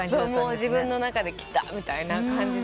自分の中で「きたー」みたいな感じで。